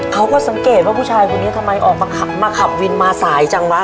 เขาก็สังเกตว่าผู้ชายคนนี้ทำไมออกมาขับวินมาสายจังวะ